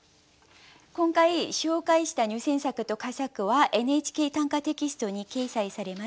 今回紹介した入選作と佳作は「ＮＨＫ短歌」テキストに掲載されます。